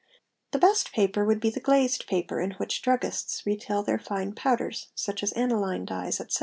'The best paper would be the glazed paper in which druggists retail their fine powders, such as aniline dyes, etc.